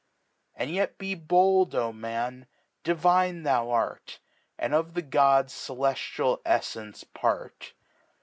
And yet be bold, O Man, divine thou art. And of the Gods celeftial EfTence Part.